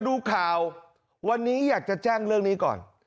ดูข่าววันนี้อยากจะแจ้งเรื่องนี้ก่อน